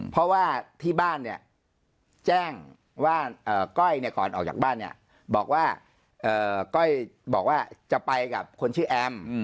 เพราะว่าที่บ้านเนี่ยแจ้งว่าก้อยก่อนออกจากบ้านเนี่ยบอกว่าก้อยบอกว่าจะไปกับคนชื่อแอม